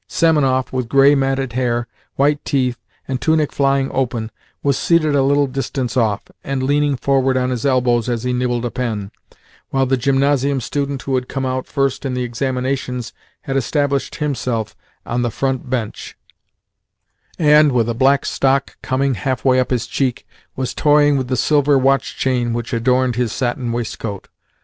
Semenoff, with grey, matted hair, white teeth, and tunic flying open, was seated a little distance off, and leaning forward on his elbows as he nibbled a pen, while the gymnasium student who had come out first in the examinations had established himself on the front bench, and, with a black stock coming half way up his cheek, was toying with the silver watch chain which adorned his satin waistcoat.